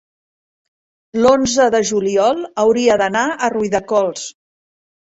l'onze de juliol hauria d'anar a Riudecols.